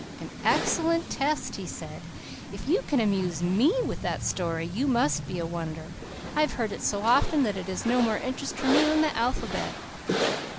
"An excellent test," he said. "If you can amuse ME with that story you must be a wonder. I've heard it so often that it has no more interest for me than the alphabet."